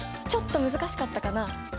ちょっと難しかったかな？